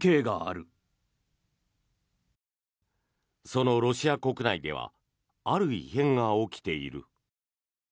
そのロシア国内ではある異変が起きている。